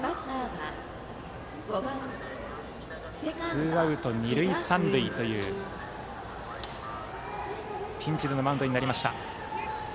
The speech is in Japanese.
ツーアウト二塁三塁というピンチでのマウンドになりました。